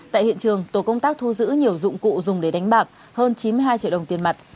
tại hiện trường tổ công tác thu giữ nhiều dụng cụ dùng để đánh bạc hơn chín mươi hai triệu đồng tiền mặt